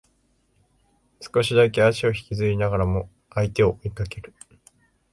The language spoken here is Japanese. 少しだけ足を引きずりながらも相手を追いかける